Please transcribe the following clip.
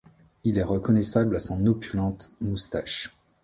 Il est reconnaissable à son opulente moustache.